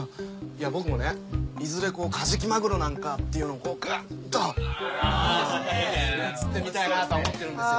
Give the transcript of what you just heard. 僕もねいずれカジキマグロなんかっていうのをグッと釣ってみたいなとは思ってるんですよ。